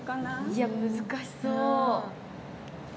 いや難しそう。